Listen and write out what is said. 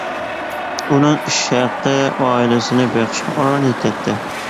ئۇنىڭ ئىش ھەققى ئائىلىسىنى بېقىشقا ئاران يېتەتتى.